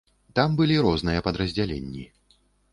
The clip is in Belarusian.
Там былі розныя падраздзяленні.